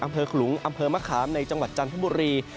ขลุงอำเภอมะขามในจังหวัดจันทบุรี